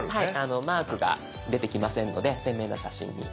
マークが出てきませんので鮮明な写真になっています。